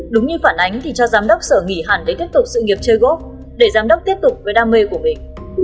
đúng như phản ánh thì cho giám đốc sở nghỉ hẳn để tiếp tục sự nghiệp chơi gốc để giám đốc tiếp tục với đam mê của mình